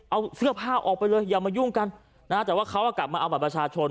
เอาเสื้อผ้าออกไปเลยอย่ามายุ่งกันนะฮะแต่ว่าเขากลับมาเอาบัตรประชาชน